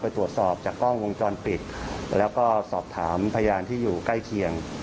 ตรวจสอบจากกล้องวงจรปิดแล้วก็สอบถามพยานที่อยู่ใกล้เคียง